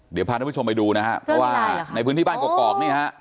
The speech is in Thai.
เดี๋ยวพาท่านผู้ชมไปดูนะฮะเพราะว่าในพื้นที่บ้านกอกนี่ฮะ